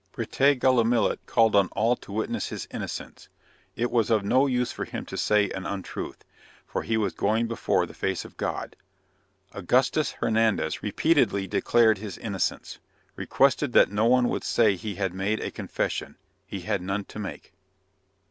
Breti Gullimillit called on all to witness his innocence; it was of no use for him to say an untruth, for he was going before the face of God. Augustus Hernandez repeatedly declared his innocence, requested that no one would say he had made a confession; he had none to make.